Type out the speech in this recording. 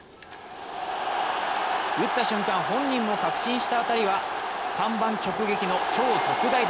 打った瞬間、本人も確信した当たりは看板直撃の超特大弾。